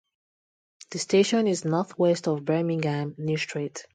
The station is north west of Birmingham New Street.